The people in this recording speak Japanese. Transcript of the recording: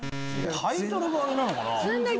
タイトルがあれなのかな？